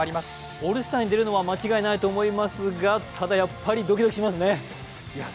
オールスターに出るのは間違いないと思いますが、ただ、ドキドキしますね。